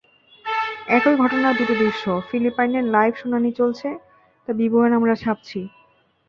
একই ঘটনার দুটি দৃশ্য—ফিলিপাইনে লাইভ শুনানি চলছে, তার বিবরণ আমরা ছাপছি।